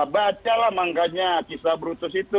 bacalah makanya kisah brutus itu